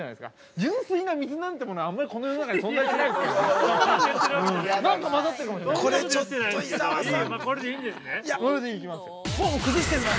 純粋な水なんてものはあんまりこの世の中に存在しないですから。